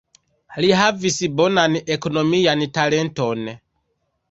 Li havis bonan ekonomian talenton.